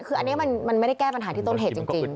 คืออันนี้มันไม่ได้แก้ปัญหาที่ต้นเหตุจริง